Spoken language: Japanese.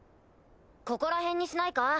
ここらへんにしないか？